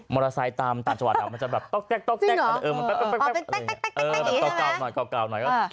มอเตอร์ไซค์ตามต่างจังหวัดแล้วมันจะแบบต๊อกแต๊กต๊อกแต๊ก